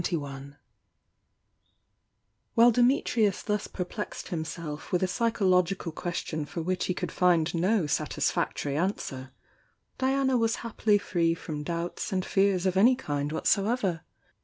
CHAPTER XXI While Dimitrius thus perplexed himself with a psychological question for which he could find no satisfactory answer, Diana was happily free from doubts and fears of any kind whatsoever.